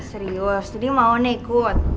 serius jadi mau nih ikut